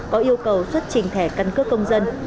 có yêu cầu xuất trình thẻ căn cước công dân